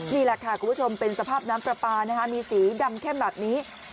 นี่แหละค่ะคุณผู้ชมเป็นสภาพน้ำปลาปลามีสีดำเข้มแบบนี้